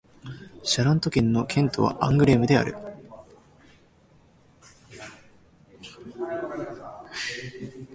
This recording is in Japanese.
シャラント県の県都はアングレームである